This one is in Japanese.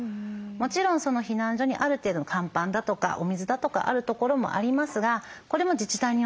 もちろん避難所にある程度の乾パンだとかお水だとかあるところもありますがこれも自治体によって違うんですね。